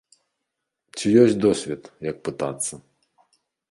Ці ёсць досвед, як пытацца?